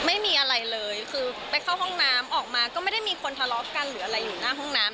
ไม่มีอะไรเลยคือไปเข้าห้องน้ำออกมาก็ไม่ได้มีคนทะเลาะกันหรืออะไรอยู่หน้าห้องน้ำ